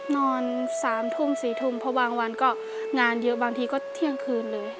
นอน๓ทุ่ม๔ทุ่มเพราะบางวันก็งานเยอะบางทีก็เที่ยงคืนเลย